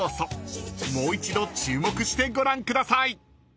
［もう一度注目してご覧ください］